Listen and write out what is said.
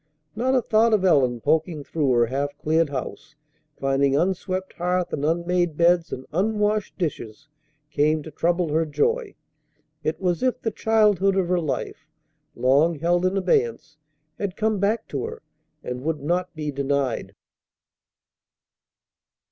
Not a thought of Ellen poking through her half cleared house, finding unswept hearth and unmade beds and unwashed dishes, came to trouble her joy. It was as if the childhood of her life, long held in abeyance, had come back to her, and would not be denied.